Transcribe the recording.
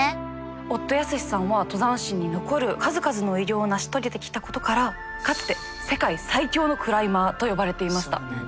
夫泰史さんは登山史に残る数々の偉業を成し遂げてきたことからかつて世界最強のクライマーと呼ばれていました。